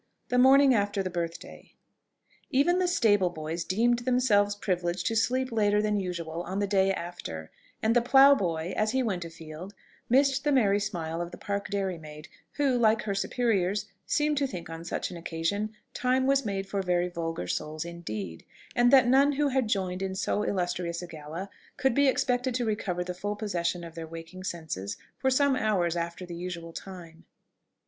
THE MORNING AFTER THE BIRTHDAY. Even the stable boys deemed themselves privileged to sleep later than usual on the day after; and the ploughboy, as he went afield, missed the merry smile of the park dairy maid, who, like her superiors, seemed to think on such an occasion time was made for very vulgar souls indeed, and that none who had joined in so illustrious a gala, could be expected to recover the full possession of their waking senses for some hours after the usual time.